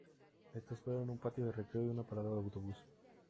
Estos fueron un patio de recreo y una parada de autobús.